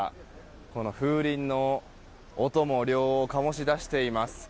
この風鈴の音も涼を醸し出しています。